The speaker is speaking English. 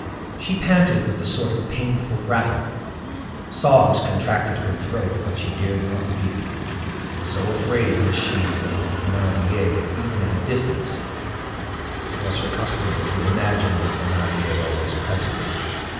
She panted with a sort of painful rattle; sobs contracted her throat, but she dared not weep, so afraid was she of the Thénardier, even at a distance: it was her custom to imagine the Thénardier always present.